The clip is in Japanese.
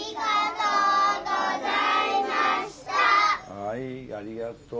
はいありがとう。